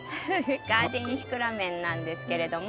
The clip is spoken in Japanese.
ガーデンシクラメンなんですけれども。